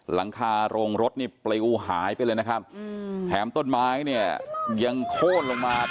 หลังคาโรงรถนี่ปลิวหายไปเลยนะครับแถมต้นไม้เนี่ยยังโค้นลงมา